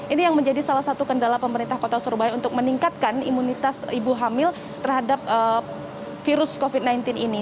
ini yang menjadi salah satu kendala pemerintah kota surabaya untuk meningkatkan imunitas ibu hamil terhadap virus covid sembilan belas ini